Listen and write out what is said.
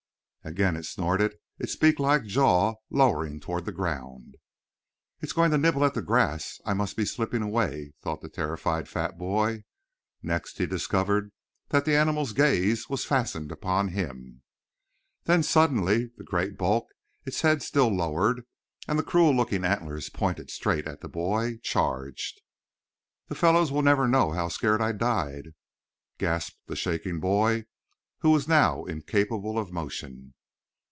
Again it snorted, its beak like jaw lowering toward the ground. "It's going to nibble at the grass I must be slipping away," thought the terrified fat boy. Next he discovered that the animal's gaze was fastened upon him. Then, suddenly, the great bulk, its head still lowered, and the cruel looking antlers pointed straight at the boy, charged! "The fellows will never know how scared I died!" gasped the shaking boy, who was now incapable of motion.